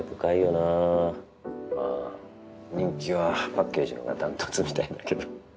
まあ人気はパッケージのほうが断トツみたいだけど。